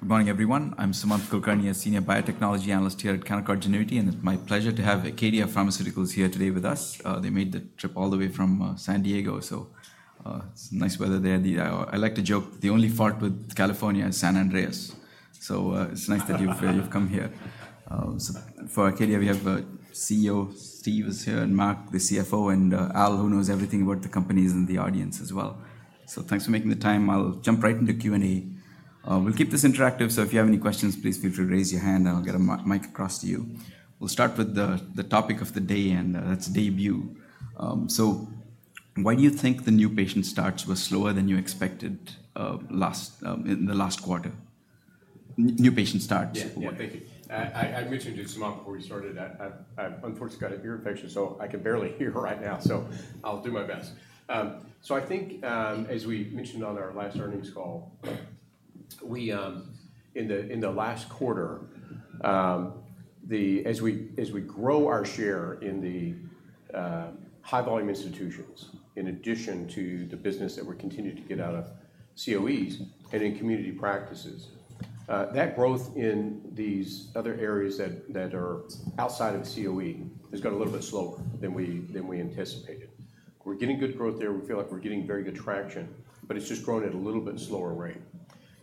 Good morning, everyone. I'm Sumant Kulkarni, a senior biotechnology analyst here at Canaccord Genuity, and it's my pleasure to have Acadia Pharmaceuticals here today with us. They made the trip all the way from San Diego, so it's nice weather there. I like to joke, the only fault with California is San Andreas. So it's nice that you've come here. So for Acadia, we have CEO Steve is here, and Mark, the CFO, and Al, who knows everything about the companies and the audience as well. So thanks for making the time. I'll jump right into Q&A. We'll keep this interactive, so if you have any questions, please feel free to raise your hand, and I'll get a mic across to you. We'll start with the topic of the day, and that's Daybue. So why do you think the new patient starts were slower than you expected in the last quarter? Yeah. Yeah, thank you. I mentioned it, Sumant, before we started that I've unfortunately got an ear infection, so I can barely hear right now, so I'll do my best. So I think, as we mentioned on our last earnings call, we, in the last quarter, as we grow our share in the high-volume institutions, in addition to the business that we're continuing to get out of COEs and in community practices, that growth in these other areas that are outside of the COE has gone a little bit slower than we anticipated. We're getting good growth there. We feel like we're getting very good traction, but it's just growing at a little bit slower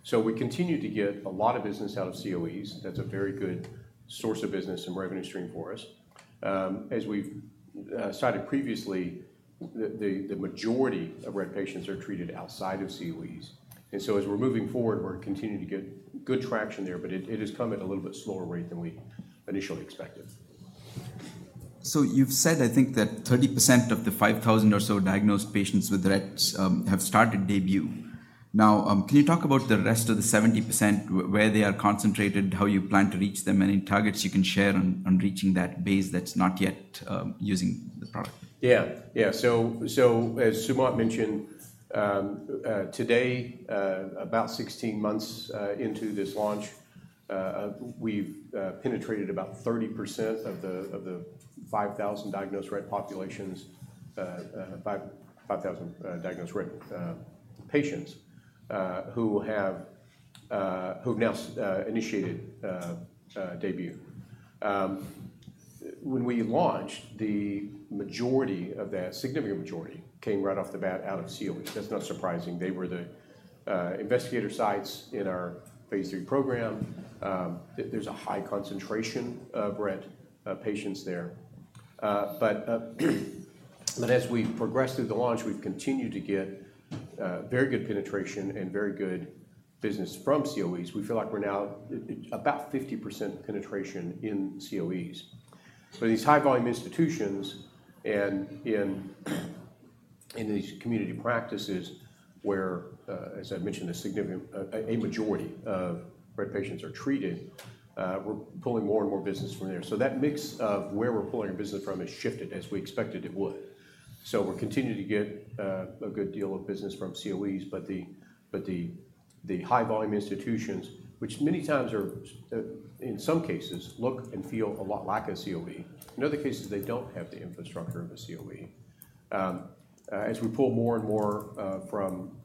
rate. So we continue to get a lot of business out of COEs. That's a very good source of business and revenue stream for us. As we've cited previously, the majority of Rett patients are treated outside of COEs, and so as we're moving forward, we're continuing to get good traction there, but it has come at a little bit slower rate than we initially expected. So you've said, I think, that 30% of the 5,000 or so diagnosed patients with Rett's have started Daybue. Now, can you talk about the rest of the 70%, where they are concentrated, how you plan to reach them, any targets you can share on reaching that base that's not yet using the product? Yeah. Yeah. So, as Sumant mentioned, today, about 16 months into this launch, we've penetrated about 30% of the five thousand diagnosed Rett populations, five thousand diagnosed Rett patients, who've now initiated Daybue. When we launched, the majority of that, significant majority, came right off the bat out of COEs. That's not surprising. They were the investigator sites in our Phase III program. There's a high concentration of Rett patients there. But as we've progressed through the launch, we've continued to get very good penetration and very good business from COEs. We feel like we're now at about 50% penetration in COEs. But these high-volume institutions and in these community practices where, as I mentioned, a significant majority of Rett patients are treated, we're pulling more and more business from there. So that mix of where we're pulling our business from has shifted as we expected it would. So we're continuing to get a good deal of business from COEs, but the high-volume institutions, which many times are, in some cases, look and feel a lot like a COE. In other cases, they don't have the infrastructure of a COE. As we pull more and more from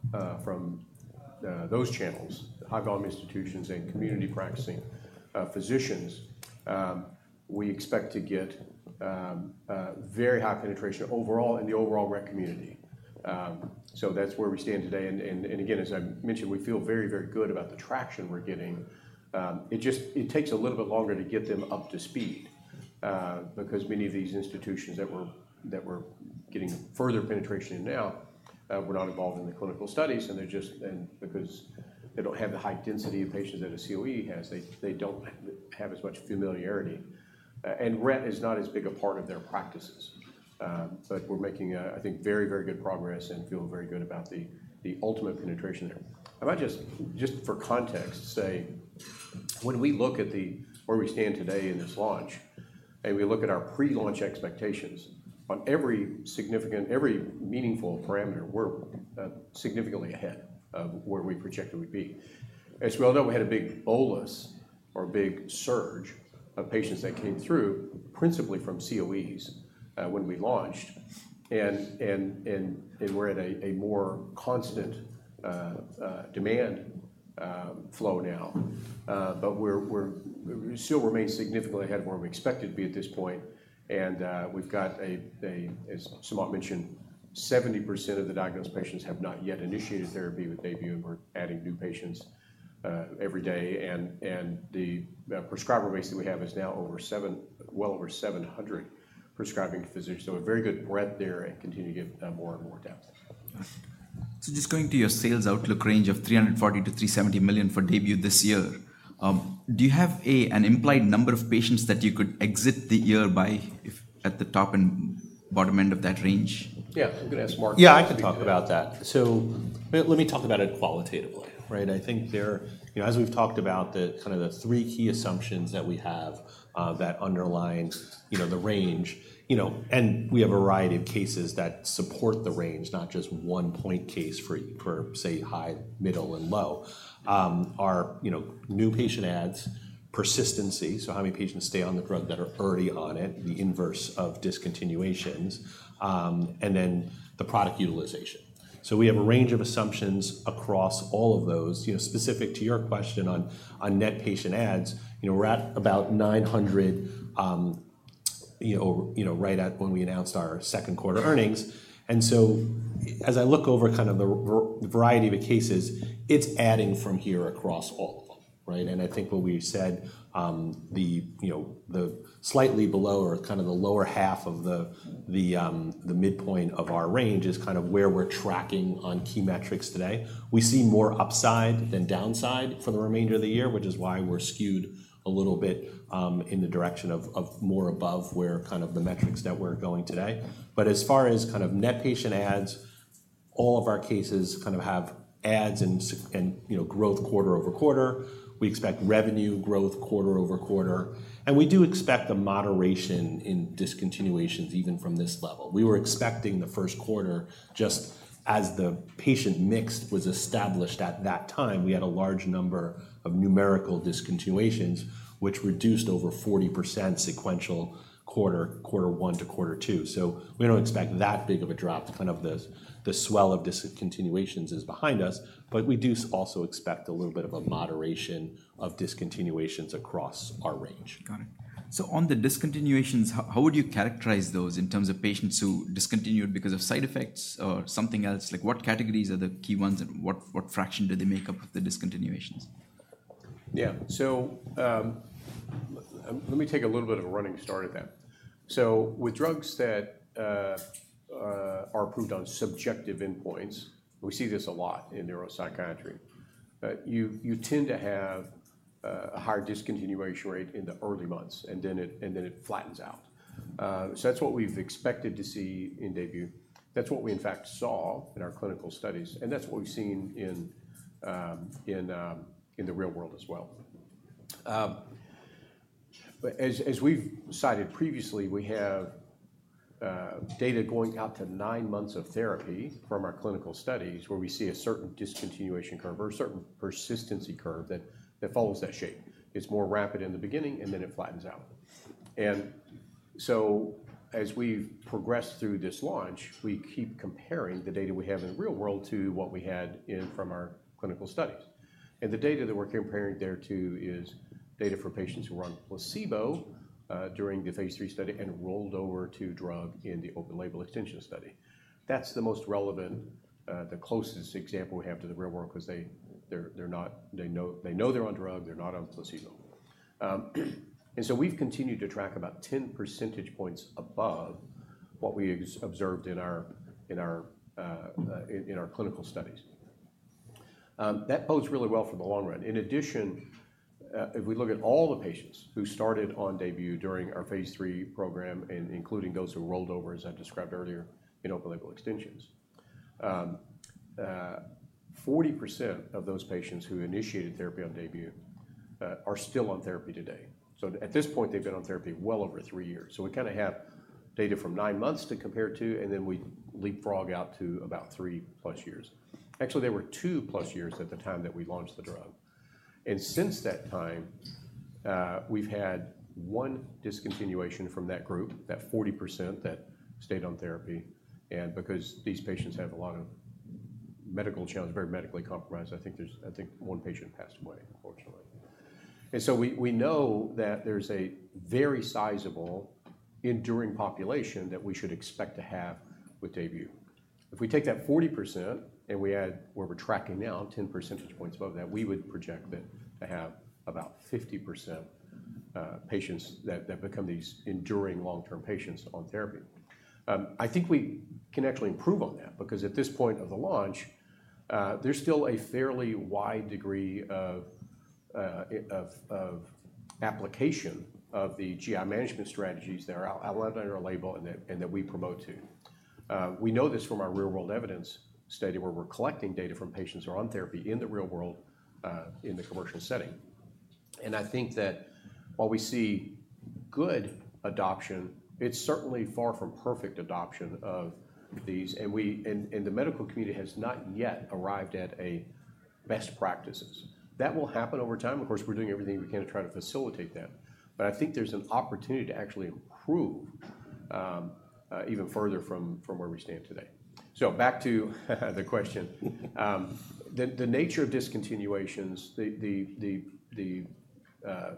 those channels, the high-volume institutions and community practicing physicians, we expect to get very high penetration overall in the overall Rett community. So that's where we stand today, and again, as I mentioned, we feel very, very good about the traction we're getting. It just takes a little bit longer to get them up to speed, because many of these institutions that we're getting further penetration in now were not involved in the clinical studies, and because they don't have the high density of patients that a COE has, they don't have as much familiarity. And Rett is not as big a part of their practices. But we're making, I think, very, very good progress and feel very good about the ultimate penetration there. I might just for context say, when we look at where we stand today in this launch, and we look at our pre-launch expectations, on every significant, every meaningful parameter, we're significantly ahead of where we projected we'd be. As we all know, we had a big bolus or a big surge of patients that came through, principally from COEs, when we launched, and we're at a more constant demand flow now. But we're—we still remain significantly ahead of where we expected to be at this point, and we've got, as Sumant mentioned, 70% of the diagnosed patients have not yet initiated therapy with Daybue, and we're adding new patients every day, and the prescriber base that we have is now well over 700 prescribing physicians, so a very good breadth there and continue to get more and more depth. Just going to your sales outlook range of $340 million-$370 million for Daybue this year, do you have an implied number of patients that you could exit the year by if at the top and bottom end of that range? Yeah, I'm gonna ask Mark. Yeah, I can talk about that. So let me talk about it qualitatively, right? I think there, you know, as we've talked about the kind of the three key assumptions that we have that underline, you know, the range, you know, and we have a variety of cases that support the range, not just one point case for, for, say, high, middle, and low, are, you know, new patient adds, persistency, so how many patients stay on the drug that are already on it, the inverse of discontinuations, and then the product utilization. ... So we have a range of assumptions across all of those. You know, specific to your question on, on net patient adds, you know, we're at about 900, you know, you know, right at when we announced our second quarter earnings. And so as I look over kind of the var- the variety of the cases, it's adding from here across all of them, right? And I think what we've said, the, you know, the slightly below or kind of the lower half of the, the the midpoint of our range is kind of where we're tracking on key metrics today. We see more upside than downside for the remainder of the year, which is why we're skewed a little bit, in the direction of, of more above where kind of the metrics that we're going today. But as far as kind of net patient adds, all of our cases kind of have adds and, you know, growth quarter-over-quarter. We expect revenue growth quarter-over-quarter, and we do expect a moderation in discontinuations, even from this level. We were expecting the first quarter, just as the patient mix was established at that time, we had a large number of numerical discontinuations, which reduced over 40% sequential quarter, quarter one to quarter two. So we don't expect that big of a drop, kind of the swell of discontinuations is behind us, but we do also expect a little bit of a moderation of discontinuations across our range. Got it. So on the discontinuations, how, how would you characterize those in terms of patients who discontinued because of side effects or something else? Like, what categories are the key ones, and what, what fraction do they make up of the discontinuations? Yeah. So, let me take a little bit of a running start at that. So with drugs that are approved on subjective endpoints, we see this a lot in neuropsychiatry. You tend to have a higher discontinuation rate in the early months, and then it flattens out. So that's what we've expected to see in Daybue. That's what we, in fact, saw in our clinical studies, and that's what we've seen in the real world as well. But as we've cited previously, we have data going out to nine months of therapy from our clinical studies, where we see a certain discontinuation curve or a certain persistency curve that follows that shape. It's more rapid in the beginning, and then it flattens out. So as we've progressed through this launch, we keep comparing the data we have in the real world to what we had from our clinical studies. The data that we're comparing there to is data for patients who were on placebo during the Phase III study and rolled over to drug in the open-label extension study. That's the most relevant, the closest example we have to the real world, 'cause they know they're on drug, they're not on placebo. And so we've continued to track about 10 percentage points above what we observed in our clinical studies. That bodes really well for the long run. In addition, if we look at all the patients who started on Daybue during our Phase III program, and including those who rolled over, as I described earlier, in open-label extensions, 40% of those patients who initiated therapy on Daybue are still on therapy today. So at this point, they've been on therapy well over three years. So we kinda have data from nine months to compare it to, and then we leapfrog out to about 3+ years. Actually, they were 2+ years at the time that we launched the drug, and since that time, we've had one discontinuation from that group, that 40% that stayed on therapy, and because these patients have a lot of medical challenges, very medically compromised, I think one patient passed away, unfortunately. And so we know that there's a very sizable enduring population that we should expect to have with Daybue. If we take that 40% and we add where we're tracking now, 10 percentage points above that, we would project that to have about 50%, patients that become these enduring long-term patients on therapy. I think we can actually improve on that because at this point of the launch, there's still a fairly wide degree of application of the GI management strategies that are outlined under our label and that we promote, too. We know this from our real-world evidence study, where we're collecting data from patients who are on therapy in the real world, in the commercial setting. I think that while we see good adoption, it's certainly far from perfect adoption of these, and we and the medical community has not yet arrived at best practices. That will happen over time, of course, we're doing everything we can to try to facilitate that, but I think there's an opportunity to actually improve even further from where we stand today. Back to the question. The nature of discontinuations, the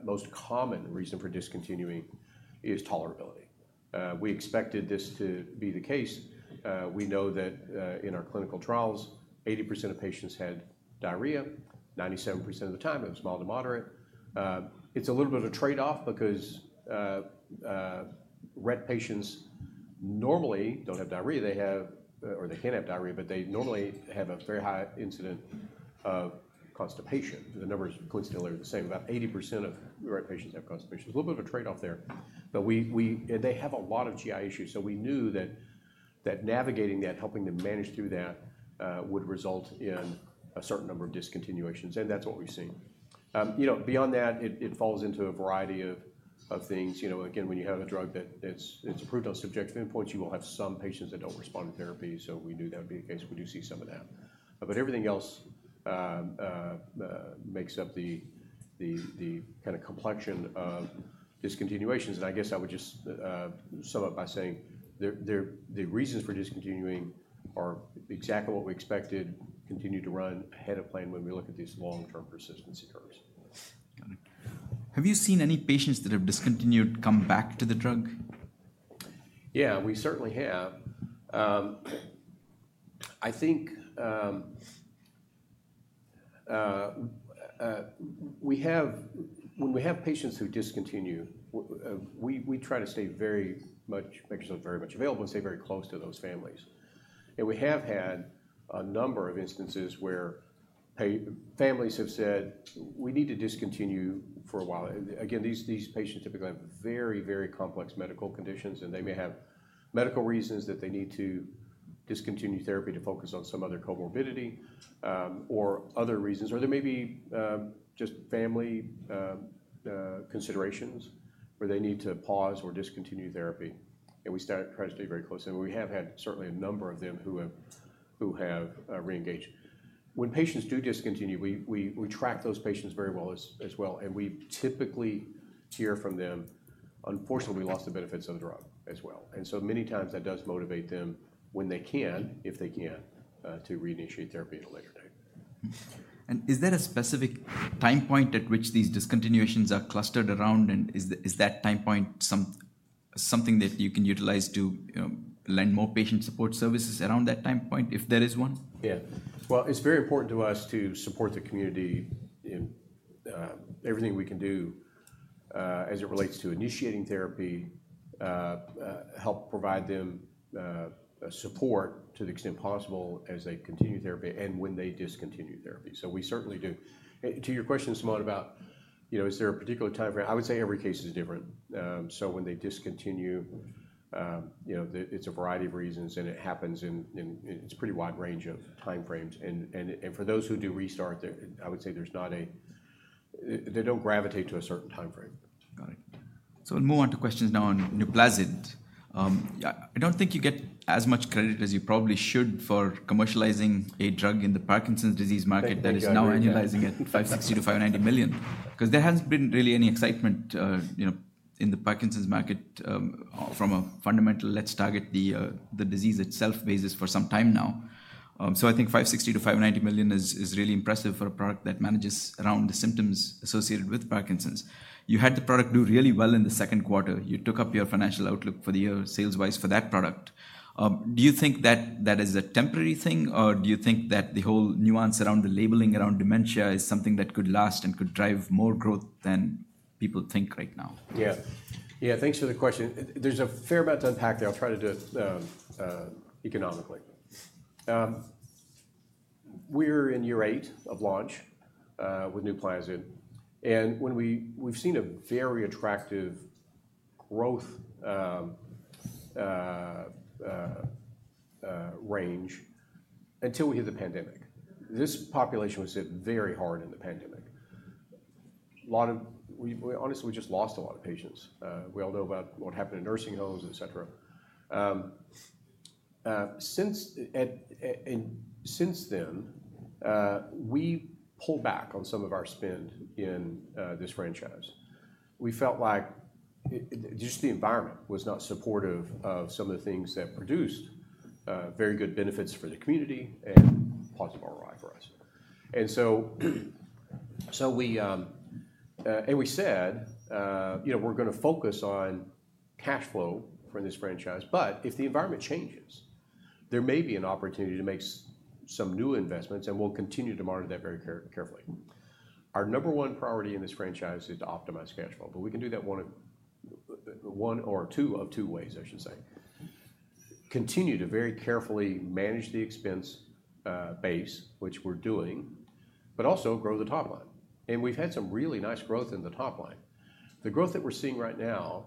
most common reason for discontinuing is tolerability. We expected this to be the case. We know that in our clinical trials, 80% of patients had diarrhea, 97% of the time, it was mild to moderate. It's a little bit of a trade-off because Rett patients normally don't have diarrhea. They have, or they can have diarrhea, but they normally have a very high incidence of constipation. The numbers coincidentally are the same. About 80% of Rett patients have constipation. It's a little bit of a trade-off there, but we... They have a lot of GI issues, so we knew that navigating that, helping them manage through that, would result in a certain number of discontinuations, and that's what we've seen. You know, beyond that, it falls into a variety of things. You know, again, when you have a drug that it's approved on subjective endpoints, you will have some patients that don't respond to therapy. So we knew that would be the case. We do see some of that. But everything else makes up the kind of complexion of discontinuations. I guess I would just sum up by saying the reasons for discontinuing are exactly what we expected. Continue to run ahead of plan when we look at these long-term persistency curves. Got it. Have you seen any patients that have discontinued come back to the drug? Yeah, we certainly have. I think, we have—when we have patients who discontinue, we try to stay very much, make ourselves very much available and stay very close to those families. And we have had a number of instances where families have said, "We need to discontinue for a while." Again, these, these patients typically have very, very complex medical conditions, and they may have medical reasons that they need to discontinue therapy to focus on some other comorbidity, or other reasons. Or there may be, just family, considerations where they need to pause or discontinue therapy, and we stay, try to stay very close. And we have had certainly a number of them who have, who have, reengaged. When patients do discontinue, we track those patients very well as well, and we typically hear from them, unfortunately, lost the benefits of the drug as well. And so many times that does motivate them when they can, if they can, to reinitiate therapy at a later date. Is there a specific time point at which these discontinuations are clustered around? Is that time point something that you can utilize to lend more patient support services around that time point, if there is one? Yeah. Well, it's very important to us to support the community in everything we can do as it relates to initiating therapy, help provide them support to the extent possible as they continue therapy and when they discontinue therapy. So we certainly do. To your question, Sumant, about, you know, is there a particular time frame? I would say every case is different. So when they discontinue, you know, it's a variety of reasons, and it happens in it's a pretty wide range of time frames. And for those who do restart, there, I would say there's not a... They don't gravitate to a certain time frame. Got it. So we'll move on to questions now on Nuplazid. I don't think you get as much credit as you probably should for commercializing a drug in the Parkinson's disease market- Thank you. That is now annualizing at $560 million-$590 million. Because there hasn't been really any excitement, you know, in the Parkinson's market, from a fundamental, the disease itself basis for some time now. So I think $560 million-$590 million is really impressive for a product that manages around the symptoms associated with Parkinson's. You had the product do really well in the second quarter. You took up your financial outlook for the year, sales-wise, for that product. Do you think that that is a temporary thing, or do you think that the whole nuance around the labeling around dementia is something that could last and could drive more growth than people think right now? Yeah. Yeah, thanks for the question. There's a fair amount to unpack there. I'll try to do it economically. We're in year eight of launch with Nuplazid, and we've seen a very attractive growth range until we hit the pandemic. This population was hit very hard in the pandemic. A lot of... We, we honestly, we just lost a lot of patients. We all know about what happened in nursing homes, et cetera. And since then, we pulled back on some of our spend in this franchise. We felt like just the environment was not supportive of some of the things that produced very good benefits for the community and positive ROI for us. So we said, you know, we're gonna focus on cash flow for this franchise, but if the environment changes, there may be an opportunity to make some new investments, and we'll continue to monitor that very carefully. Our number one priority in this franchise is to optimize cash flow, but we can do that one or two ways, I should say: continue to very carefully manage the expense base, which we're doing, but also grow the top line, and we've had some really nice growth in the top line. The growth that we're seeing right now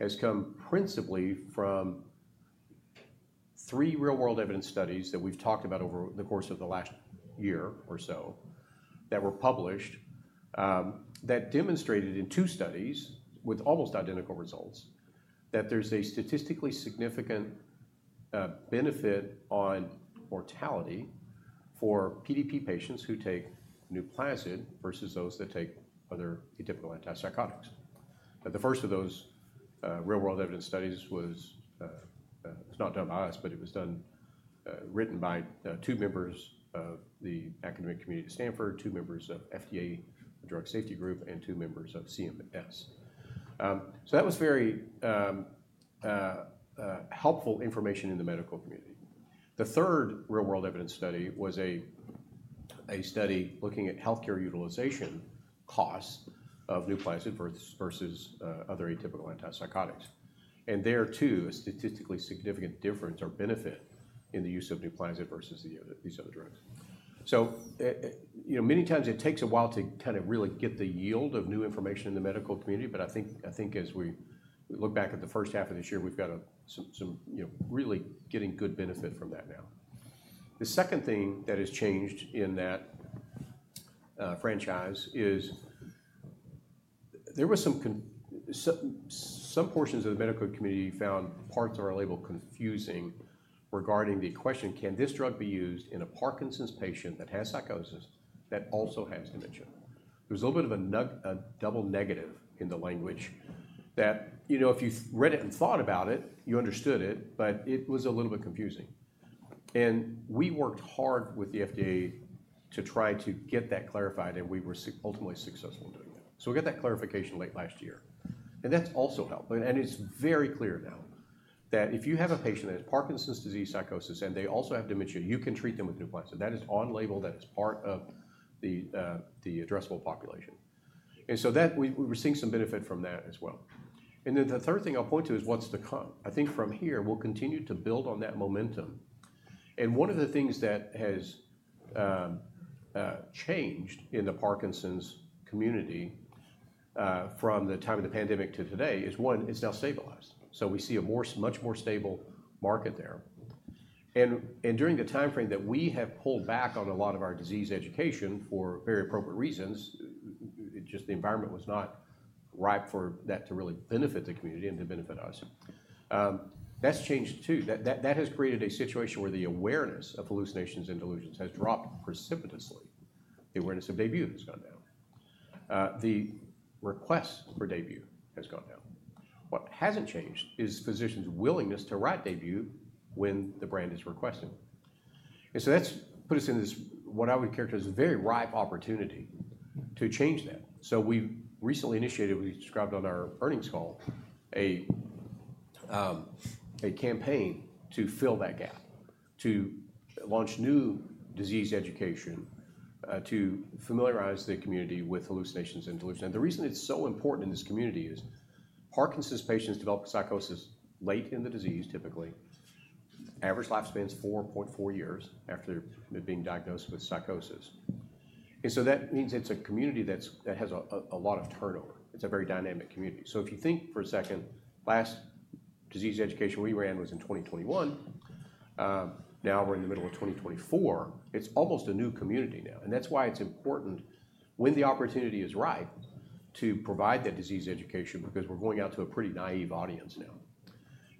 has come principally from three real-world evidence studies that we've talked about over the course of the last year or so, that were published, that demonstrated in two studies with almost identical results, that there's a statistically significant benefit on mortality for PDP patients who take Nuplazid versus those that take other atypical antipsychotics. The first of those real-world evidence studies was, it's not done by us, but it was done, written by two members of the academic community at Stanford, two members of FDA Drug Safety Group, and two members of CMS. So that was very helpful information in the medical community. The third real-world evidence study was a study looking at healthcare utilization costs of Nuplazid versus other atypical antipsychotics, and there, too, a statistically significant difference or benefit in the use of Nuplazid versus the other, these other drugs. So, you know, many times it takes a while to kind of really get the yield of new information in the medical community, but I think, I think as we look back at the first half of this year, we've got some, you know, really getting good benefit from that now. The second thing that has changed in that franchise is. There was some portions of the medical community found parts of our label confusing regarding the question: Can this drug be used in a Parkinson's patient that has psychosis, that also has dementia? There was a little bit of a double negative in the language that, you know, if you read it and thought about it, you understood it, but it was a little bit confusing. We worked hard with the FDA to try to get that clarified, and we were ultimately successful in doing that. So we got that clarification late last year, and that's also helped. And it's very clear now that if you have a patient that has Parkinson's disease psychosis, and they also have dementia, you can treat them with Nuplazid. That is on label, that is part of the addressable population. And so that, we were seeing some benefit from that as well. And then the third thing I'll point to is what's to come. I think from here, we'll continue to build on that momentum. And one of the things that has changed in the Parkinson's community from the time of the pandemic to today is, one, it's now stabilized. So we see a much more stable market there. And during the time frame that we have pulled back on a lot of our disease education for very appropriate reasons, just the environment was not ripe for that to really benefit the community and to benefit us. That's changed, too. That has created a situation where the awareness of hallucinations and delusions has dropped precipitously. The awareness of Nuplazid has gone down. The request for Nuplazid has gone down. What hasn't changed is physicians' willingness to write Nuplazid when the brand is requested. And so that's put us in this, what I would characterize as a very ripe opportunity to change that. So we've recently initiated, we described on our earnings call, a campaign to fill that gap, to launch new disease education, to familiarize the community with hallucinations and delusions. And the reason it's so important in this community is Parkinson's patients develop psychosis late in the disease, typically. Average lifespan is 4.4 years after being diagnosed with psychosis. And so that means it's a community that's, that has a lot of turnover. It's a very dynamic community. So if you think for a second, last disease education we ran was in 2021. Now we're in the middle of 2024. It's almost a new community now, and that's why it's important when the opportunity is ripe, to provide that disease education, because we're going out to a pretty naive audience now.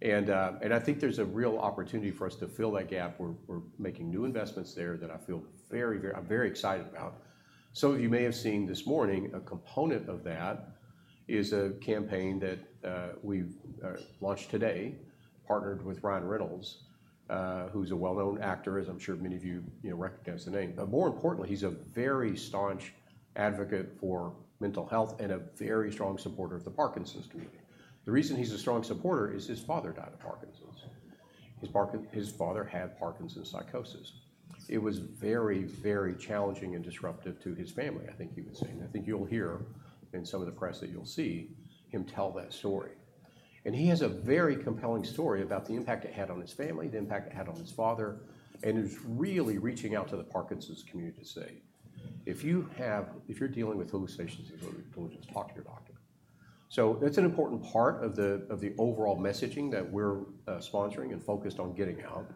And I think there's a real opportunity for us to fill that gap. We're making new investments there that I feel very, very... I'm very excited about. Some of you may have seen this morning, a component of that is a campaign that we've launched today, partnered with Ryan Reynolds, who's a well-known actor, as I'm sure many of you, you know, recognize the name. But more importantly, he's a very staunch advocate for mental health and a very strong supporter of the Parkinson's community. The reason he's a strong supporter is his father died of Parkinson's. His father had Parkinson's psychosis. It was very, very challenging and disruptive to his family, I think he would say. And I think you'll hear in some of the press that you'll see him tell that story. And he has a very compelling story about the impact it had on his family, the impact it had on his father, and is really reaching out to the Parkinson's community to say, "If you have, if you're dealing with hallucinations and delusions, talk to your doctor." So that's an important part of the overall messaging that we're sponsoring and focused on getting out.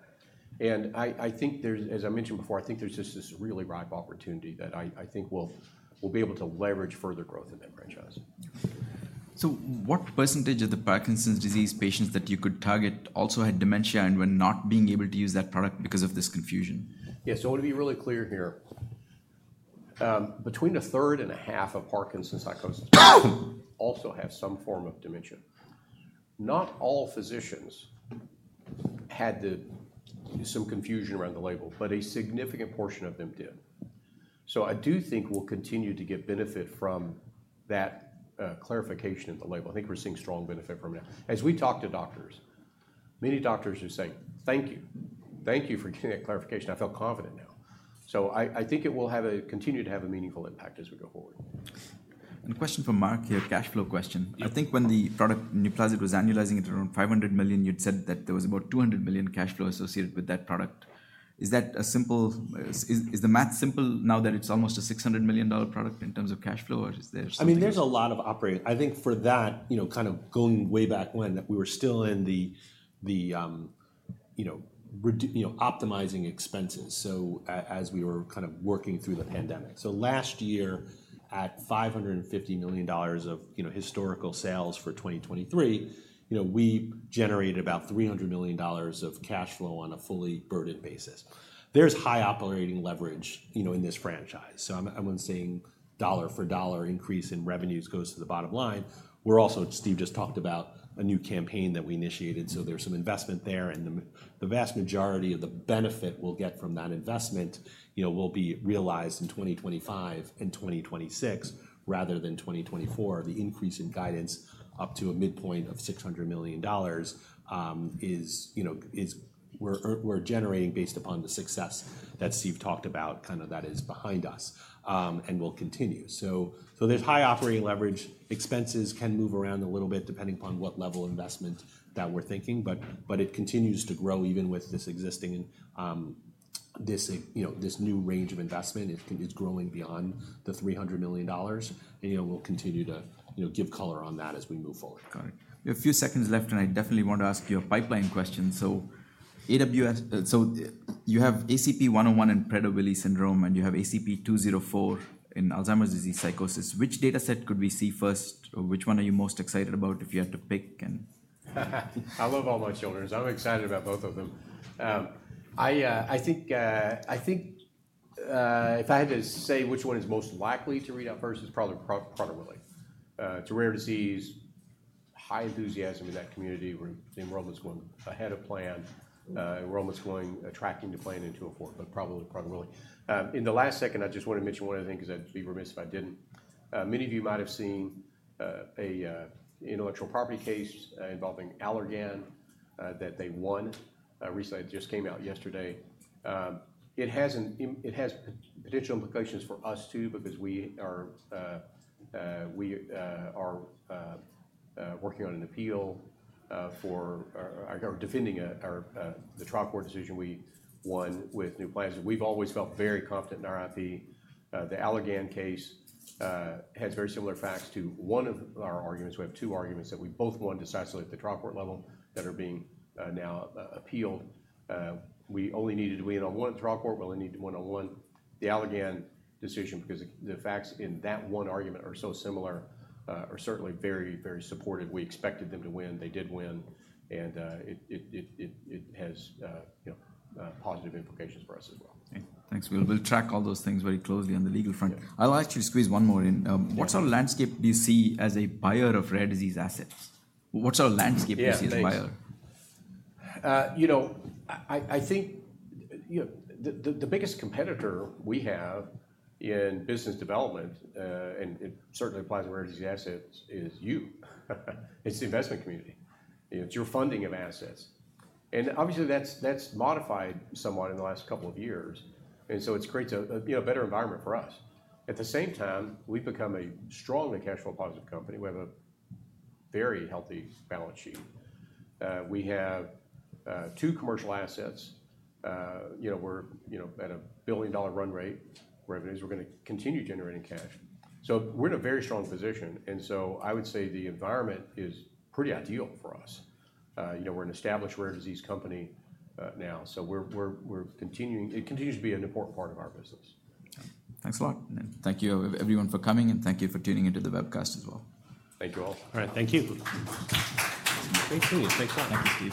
And I think there's, as I mentioned before, just this really ripe opportunity that I think we'll be able to leverage further growth in that franchise. What percentage of the Parkinson's disease patients that you could target also had dementia and were not being able to use that product because of this confusion? Yeah, so I want to be really clear here. Between a third and a half of Parkinson's psychosis also have some form of dementia. Not all physicians had the, some confusion around the label, but a significant portion of them did. So I do think we'll continue to get benefit from that clarification of the label. I think we're seeing strong benefit from it now. As we talk to doctors, many doctors are saying, "Thank you. Thank you for getting that clarification. I feel confident now." So I, I think it will continue to have a meaningful impact as we go forward. A question for Mark here, cash flow question. Yeah. I think when the product Nuplazid was annualizing at around $500 million, you'd said that there was about $200 million cash flow associated with that product. Is the math simple now that it's almost a $600 million product in terms of cash flow, or is there something else? I mean, there's a lot of operating. I think for that, you know, kind of going way back when, that we were still in the, the, you know, optimizing expenses, so as we were kind of working through the pandemic. So last year, at $550 million of, you know, historical sales for 2023, you know, we generated about $300 million of cash flow on a fully burdened basis. There's high operating leverage, you know, in this franchise, so I'm not saying dollar for dollar increase in revenues goes to the bottom line. We're also, Steve just talked about a new campaign that we initiated, so there's some investment there, and the vast majority of the benefit we'll get from that investment, you know, will be realized in 2025 and 2026, rather than 2024. The increase in guidance up to a midpoint of $600 million, you know, is. We're generating based upon the success that Steve talked about, kind of that is behind us, and will continue. So there's high operating leverage. Expenses can move around a little bit, depending upon what level of investment that we're thinking, but it continues to grow even with this existing, you know, this new range of investment. It's growing beyond $300 million, and you know, we'll continue to you know, give color on that as we move forward. Got it. We have a few seconds left, and I definitely want to ask you a pipeline question. So, you have ACP-101 in Prader-Willi syndrome, and you have ACP-204 in Alzheimer's disease psychosis. Which dataset could we see first, or which one are you most excited about if you had to pick and? I love all my children, so I'm excited about both of them. I think if I had to say which one is most likely to read out first, it's probably Prader-Willi. It's a rare disease, high enthusiasm in that community, where the enrollment's going ahead of plan, enrollment's going tracking to plan into Q4, but probably Prader-Willi. In the last second, I just want to mention one other thing, because I'd be remiss if I didn't. Many of you might have seen an intellectual property case involving Allergan that they won recently. It just came out yesterday. It has potential implications for us, too, because we are working on an appeal, or defending our the trial court decision we won with Nuplazid. We've always felt very confident in our IP. The Allergan case has very similar facts to one of our arguments. We have two arguments that we both won decisively at the trial court level that are being now appealed. We only needed to win on one at trial court. We only need to win on one, the Allergan decision, because the facts in that one argument are so similar, are certainly very, very supportive. We expected them to win. They did win, and it has, you know, positive implications for us as well. Okay. Thanks. We'll, we'll track all those things very closely on the legal front. Yeah. I'll actually squeeze one more in. Yeah. What sort of landscape do you see as a buyer of rare disease assets? What sort of landscape do you see as a buyer? Yeah, thanks. You know, I think, you know, the biggest competitor we have in business development, and it certainly applies to rare disease assets, is you. It's the investment community. You know, it's your funding of assets, and obviously, that's modified somewhat in the last couple of years, and so it's creates a, you know, better environment for us. At the same time, we've become a strongly cash flow positive company. We have a very healthy balance sheet. We have two commercial assets. You know, we're, you know, at a billion-dollar run rate, revenues, we're gonna continue generating cash. So we're in a very strong position, and so I would say the environment is pretty ideal for us. You know, we're an established rare disease company, now, so we're, we're, we're continuing... It continues to be an important part of our business. Thanks a lot, and thank you everyone for coming, and thank you for tuning into the webcast as well. Thank you, all. All right, thank you. Thanks to you. Thanks a lot. Thank you, Steve.